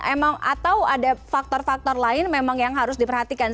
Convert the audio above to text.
emang atau ada faktor faktor lain memang yang harus diperhatikan